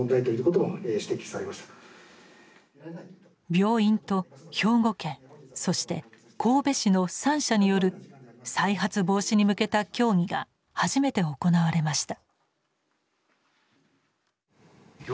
病院と兵庫県そして神戸市の三者による再発防止に向けた協議が初めて行われました。